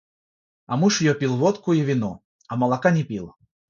А муж её пил водку и вино, а молока не пил.